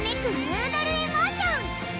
ヌードル・エモーション！